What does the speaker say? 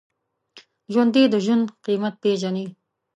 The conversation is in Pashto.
ژوندي د ژوند قېمت پېژني